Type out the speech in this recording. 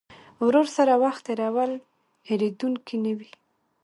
ورور سره وخت تېرول هېرېدونکی نه وي.